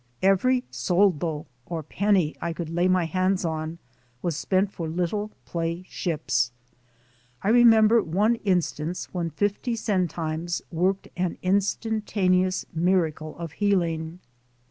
Every "soldo" or penny I could lay my hands on was spent for little play ships. I remember one instance when fifty centimes worked an instanta neous miracle of healing.